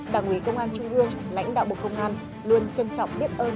đảng ủy công an trung ương lãnh đạo bộ công an luôn trân trọng biết ơn